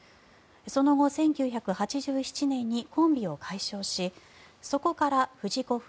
その後、１９８７年にコンビを解消しそこから藤子